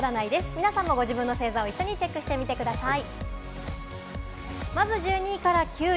皆さんもご自分の星座をチェックしてください。